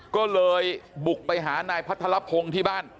ก็เลยบุกไปหานายพัทรพงศ์ที่บ้าน